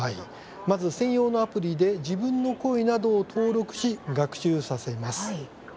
まず専用のアプリで自分の声などを登録し学習させます。